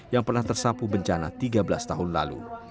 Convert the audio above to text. yang pernah tersapu bencana tiga belas tahun lalu